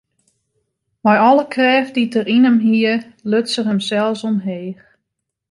Mei alle krêft dy't er yn him hie, luts er himsels omheech.